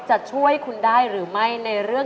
จะช่วยคุณได้หรือไม่ในเรื่อง